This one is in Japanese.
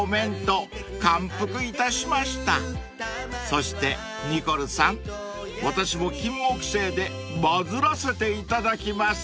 ［そしてニコルさん私もキンモクセイでバズらせていただきます］